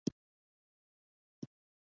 هلته د بنې له نومه تر ننه نفرت کیږي